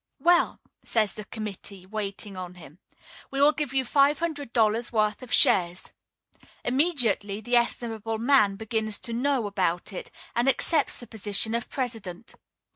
"Well," says the committee waiting on him, "we will give you five hundred dollars' worth of shares." Immediately the estimable man begins to "know about it," and accepts the position of president.